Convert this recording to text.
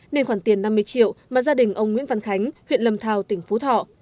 nên khoản tiền năm mươi triệu mà gia đình ông nguyễn văn khánh huyện lâm thao tỉnh phú thọ